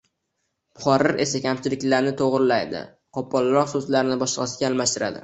Muharrir esa kamchiliklarni to‘g‘rilaydi, qo‘polroq so‘zlarni boshqasiga almashtiradi